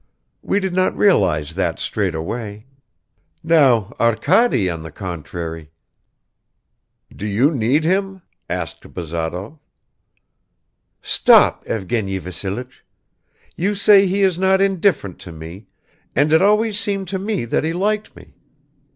We did not realize that straight away. Now Arkady, on the contrary ..." "Do you need him?" asked Bazarov. "Stop, Evgeny Vassilich. You say he is not indifferent to me, and it always seemed to me that he liked me.